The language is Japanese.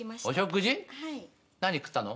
何食ったの？